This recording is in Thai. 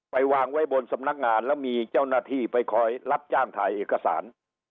ไปวางไว้บนสำนักงานแล้วมีเจ้าหน้าที่ไปคอยรับจ้างถ่ายเอกสาร